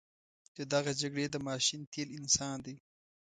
د دغه جګړې د ماشین تیل انسان دی.